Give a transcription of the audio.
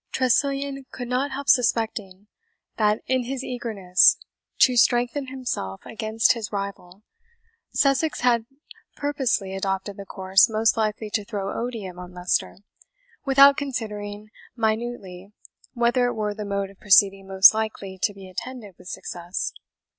Tressilian could not help suspecting that, in his eagerness to strengthen himself against his rival, Sussex had purposely adopted the course most likely to throw odium on Leicester, without considering minutely whether it were the mode of proceeding most likely to be attended with success.